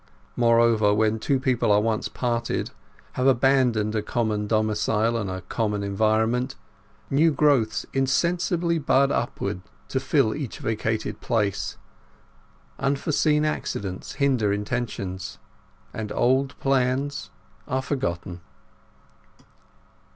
Moreover, when two people are once parted—have abandoned a common domicile and a common environment—new growths insensibly bud upward to fill each vacated place; unforeseen accidents hinder intentions, and old plans are forgotten.